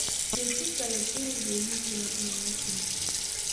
Petut ake tukuk kemi twai akoosikey.